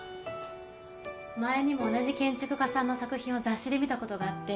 前にも同じ建築家さんの作品を雑誌で見たことがあって